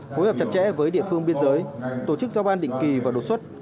phối hợp chặt chẽ với địa phương biên giới tổ chức giao ban định kỳ và đột xuất